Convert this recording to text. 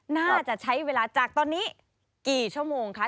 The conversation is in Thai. น่าจะใช้เวลาจากตอนนี้กี่ชั่วโมงคะ